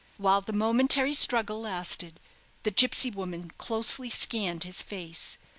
While the momentary struggle lasted, the gipsy woman closely scanned his face.